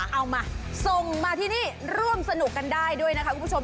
เอามาส่งมาที่นี่ร่วมสนุกกันได้ด้วยนะคะคุณผู้ชม